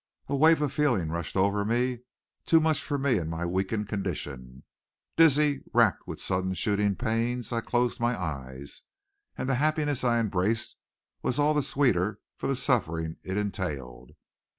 A wave of feeling rushed over me, too much for me in my weakened condition. Dizzy, racked with sudden shooting pains, I closed my eyes; and the happiness I embraced was all the sweeter for the suffering it entailed.